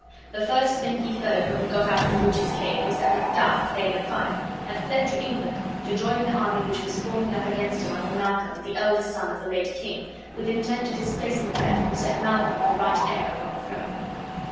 The first thing he heard when he got out of the witches' cave was that Macduff, Thane of Fife, had fled to England to join the army which was forming against him under Malcolm, the eldest son of the late king, with intent to displace Macbeth and set Malcolm, the right heir, upon the throne.